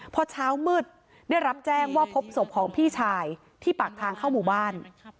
พอเช้ามืดได้รับแจ้งว่าพบศพของพี่ชายที่ปากทางเข้าหมู่บ้าน